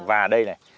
và đây này